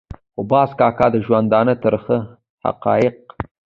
خو باز کاکا د ژوندانه ترخه حقایق.